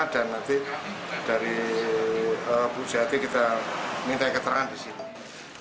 dan nanti dari puskesmas kita minta keterangan disini